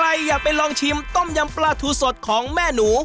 ใครอยากไปลองชิมต้มยำปลาทูสดของแม่หนู